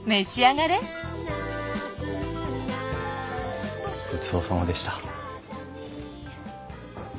ごちそうさまでした。